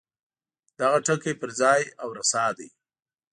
دغه ټکی پر ځای او رسا دی.